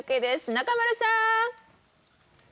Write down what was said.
中丸さん！